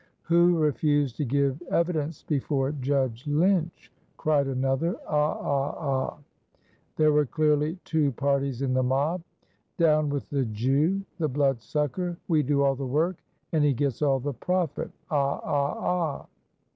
"Who refused to give evidence before Judge Lynch?" cried another, "Ah! ah! ah!" There were clearly two parties in the mob. "Down with the Jew the blood sucker. We do all the work, and he gets all the profit. Ah! ah! ah!"